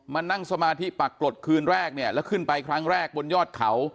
มานั่งสมาธิปรากฏคืนแรกเนี่ยแล้วขึ้นไปครั้งแรกบนยอดเขา